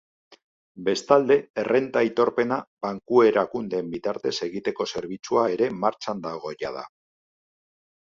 Bestalde, errenta aitorpena banku erakundeen bitartez egiteko zerbitzua ere martxan dago jada.